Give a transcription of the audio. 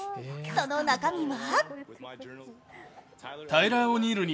その中身は？